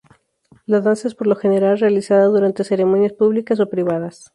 La danza es por lo general realizada durante ceremonias públicas o privadas.